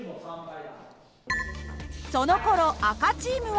そのころ赤チームは。